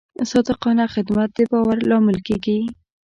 صادقانه خدمت د باور لامل کېږي.